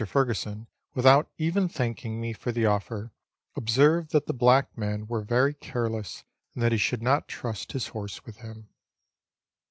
Furgesson, without even thanking me for the offer, observed that the black men were very careless, and that he should not trust his horse with him.